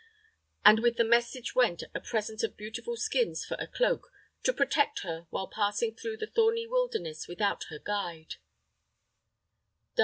And with the message went a present of beautiful skins for a cloak "to protect her while passing through the thorny wilderness without her guide."